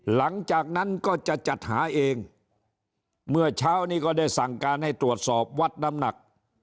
หลังจากนั้นก็จะจัดหาเองเมื่อเช้านี้ก็ได้สั่งการให้ตรวจสอบวัดน้ำหนัก